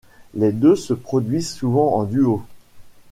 Les deux se produisent souvent en duo.